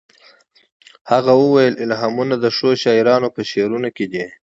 هغه وویل الهامونه د ښو شاعرانو په شعرونو کې دي